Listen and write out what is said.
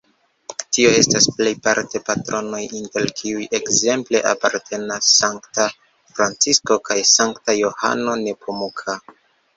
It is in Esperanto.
Tio estas plejparte patronoj, inter kiuj ekzemple apartenas sankta Francisko kaj sankta Johano Nepomuka.